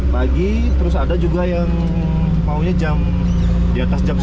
pagi terus ada juga yang maunya di atas jam sembilan gitu